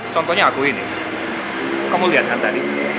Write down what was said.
contohnya aku ini kamu lihat kan tadi